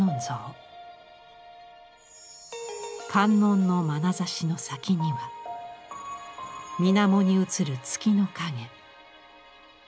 観音のまなざしの先には水面に映る月の影。